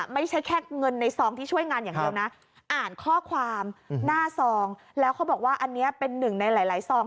ไม่ใช่แค่เงินในซองที่ช่วยงานอย่างเดียวนะอ่านข้อความหน้าซองแล้วเขาบอกว่าอันนี้เป็นหนึ่งในหลายซอง